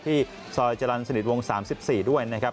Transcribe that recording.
ที่ซอยจรรย์สนิทวง๓๔ด้วยนะครับ